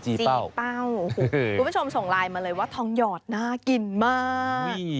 จีนเป้าคุณผู้ชมส่งไลน์มาเลยว่าทองหยอดน่ากินมาก